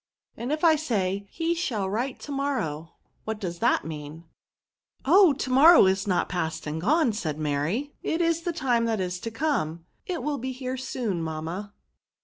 And if I say, he shall write to mor row, what does that mean?" Oh ! to morrow is not past and gone," said Mary ;'^ it is the time that is to come ; it will be here soon, mamma.